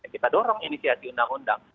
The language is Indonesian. kita dorong inisiasi undang undang